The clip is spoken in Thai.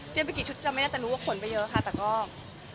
ปีกี่ชุดเนี่ยแต่รู้ว่าขนไปเยอะค่ะ